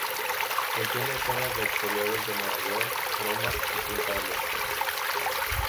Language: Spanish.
Contiene escenas de exteriores de Nueva York, Roma y Punta del Este.